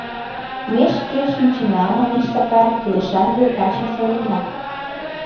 — Ме шке шинчена, — манеш Сакар, — кӱлешан йолташым сайлена.